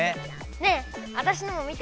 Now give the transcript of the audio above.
ねえあたしのも見て！